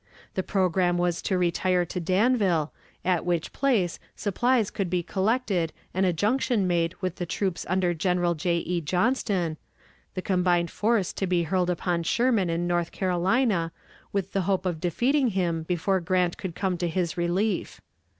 The programme was to retire to Danville, at which place supplies should be collected and a junction made with the troops under General J. E. Johnston, the combined force to be hurled upon Sherman in North Carolina, with the hope of defeating him before Grant could come to his relief.